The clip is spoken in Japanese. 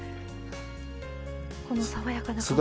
この爽やかな香り。